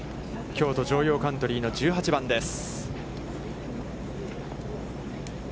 京都城陽カントリーの１８番です。